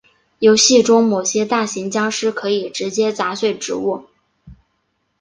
游戏中某些大型僵尸可以直接砸碎植物。